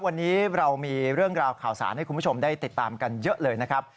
วันนี้เรามีเรื่องราวข่าวสารให้คุณผู้ชมได้ติดตามกันเยอะเลยนะครับ